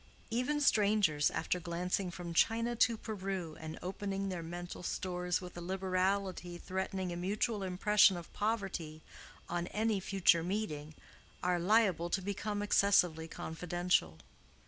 Even strangers, after glancing from China to Peru and opening their mental stores with a liberality threatening a mutual impression of poverty on any future meeting, are liable to become excessively confidential.